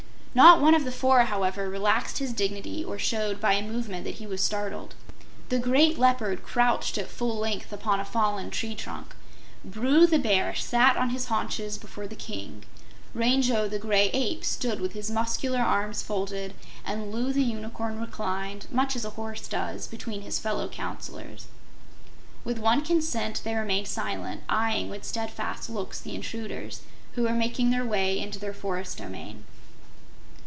Not one of the four, however, relaxed his dignity or showed by a movement that he was startled. The great Leopard crouched at full length upon a fallen tree trunk. Bru the Bear sat on his haunches before the King; Rango the Gray Ape stood with his muscular arms folded, and Loo the Unicorn reclined, much as a horse does, between his fellow councillors. With one consent they remained silent, eyeing with steadfast looks the intruders, who were making their way into their forest domain.